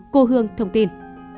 cô hương thông tin